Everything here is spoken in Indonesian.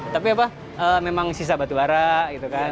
tapi apa memang sisa batu bara gitu kan